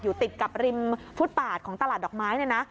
ติดกับริมฟุตปาดของตลาดดอกไม้เนี่ยนะ